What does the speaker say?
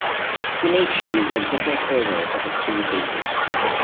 He may choose a different order for the two days.